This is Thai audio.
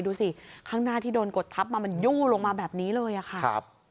ดูสิข้างหน้าที่โดนกดทับมามันยู่ลงมาแบบนี้เลยอะค่ะ